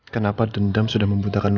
kenapa dendam sudah membuntakan urani gue